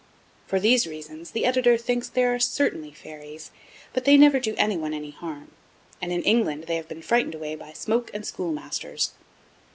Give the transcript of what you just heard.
For these reasons, the Editor thinks that there are certainly fairies, but they never do anyone any harm; and, in England, they have been frightened away by smoke and schoolmasters.